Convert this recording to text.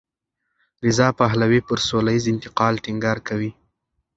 رضا پهلوي پر سولهییز انتقال ټینګار کوي.